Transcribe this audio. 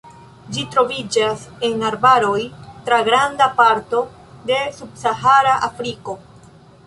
Ĝi troviĝas en arbaroj tra granda parto de subsahara Afriko.